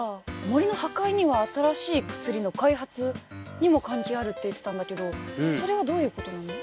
森の破壊には新しい薬の開発にも関係あるって言ってたんだけどそれはどういうことなの？